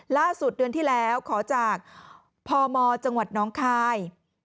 เดือนที่แล้วขอจากพมจังหวัดน้องคาย